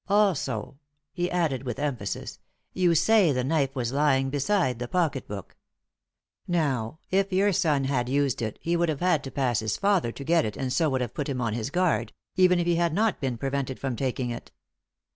Also," he added with emphasis, "you say the knife was lying beside the pocket book. Now, if your son had used it he would have had to pass his father to get it and so would have put him on his guard, even if he had not been prevented from taking it.